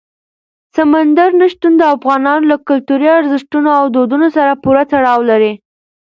سمندر نه شتون د افغانانو له کلتوري ارزښتونو او دودونو سره پوره تړاو لري.